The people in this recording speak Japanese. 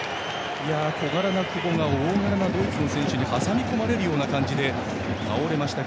小柄な久保が大柄なドイツの選手に挟み込まれるような感じで倒れました。